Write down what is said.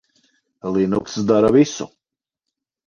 Linux dara visu.